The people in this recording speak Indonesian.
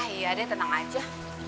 ya deh tenang aja